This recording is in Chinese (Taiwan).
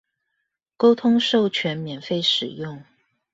溝通授權免費使用